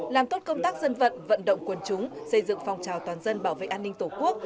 làm tốt công tác dân vận vận động quân chúng xây dựng phòng trào toàn dân bảo vệ an ninh tổ quốc